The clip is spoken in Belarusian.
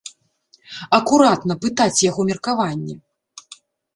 Акуратна, пытаць яго меркаванне.